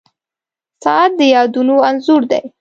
• ساعت د یادونو انځور دی.